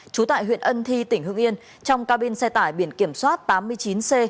chú tại huyện ân thi tỉnh hương yên trong cabin xe tải biển kiểm soát tám mươi chín c một mươi chín nghìn chín trăm ba mươi sáu